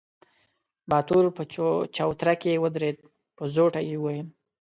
باتور په چوتره کې ودرېد، په زوټه يې وويل: